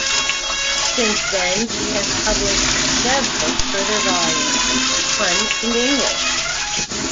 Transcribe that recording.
Since then she has published several further volumes, one in English.